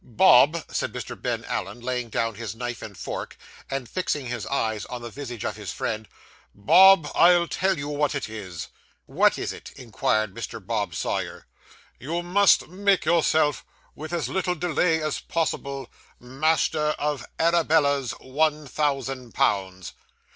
'Bob,' said Mr. Ben Allen, laying down his knife and fork, and fixing his eyes on the visage of his friend, 'Bob, I'll tell you what it is.' 'What is it?' inquired Mr. Bob Sawyer. 'You must make yourself, with as little delay as possible, master of Arabella's one thousand pounds.